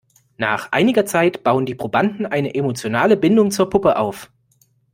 Nach einiger Zeit bauen die Probanden eine emotionale Bindung zur Puppe auf.